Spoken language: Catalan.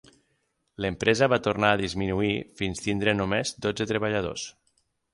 L'empresa va tornar a disminuir fins tindre només dotze treballadors.